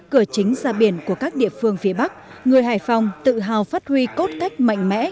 cửa chính ra biển của các địa phương phía bắc người hải phòng tự hào phát huy cốt cách mạnh mẽ